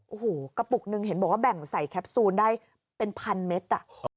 โอ้โหกระปุกนึงเห็นบอกว่าแบ่งใส่แคปซูลได้เป็นพันเมตร